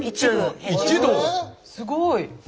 すごい。